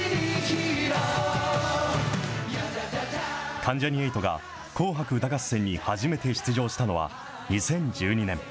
関ジャニ∞が紅白歌合戦に初めて出場したのは２０１２年。